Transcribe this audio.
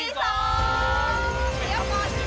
เดี๋ยวก่อนเดี๋ยว